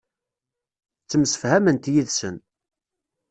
Ttemsefhament yid-sen.